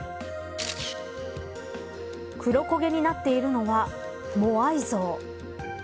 黒焦げになっているのはモアイ像。